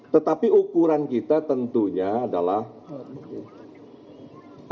tetapi ukuran kita tentunya adalah alat bukti